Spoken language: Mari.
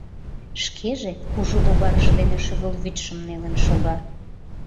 Шкеже кужу логарже дене шӱвылвӱдшым нелын шога.